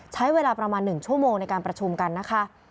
ใช้เวลาประมาณ๑ชั่วโมงในการประชุมกันนะคะ